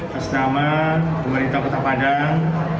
pesnama pemerintah kota padang